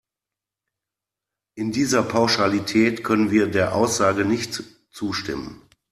In dieser Pauschalität können wir der Aussage nicht zustimmen.